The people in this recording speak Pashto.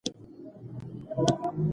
ټولنیز تعامل د خبرو له لارې پیاوړی کېږي.